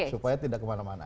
supaya tidak kemana mana